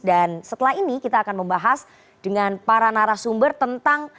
dan setelah ini kita akan membahas dengan para narasumber tentang